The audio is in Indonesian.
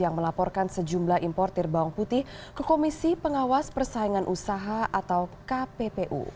yang melaporkan sejumlah importer bawang putih ke komisi pengawas persaingan usaha atau kppu